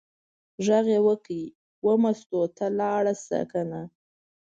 غږ یې وکړ: وه مستو ته لاړه شه کنه.